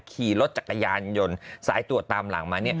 ขี่รถจักรยานยนต์สายตรวจตามหลังมา